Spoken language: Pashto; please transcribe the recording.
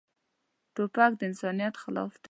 توپک د انسانیت خلاف دی.